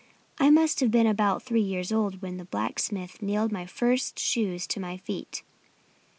I must have been about three years old when the blacksmith nailed my first shoes to my feet."